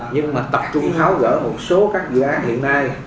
nhưng mà tập trung tháo gỡ một số các dự án hiện nay